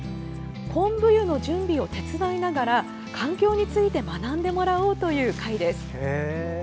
こんぶ湯の準備を手伝いながら環境について学んでもらおうという会です。